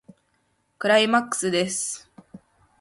クライマックスです。